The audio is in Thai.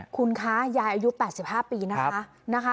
คุณคะยายอายุ๘๕ปีนะคะ